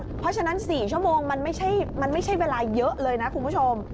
เพราะฉะนั้น๔ชั่วโมงมันไม่ใช่เวลาเยอะเลยนะคุณผู้ชม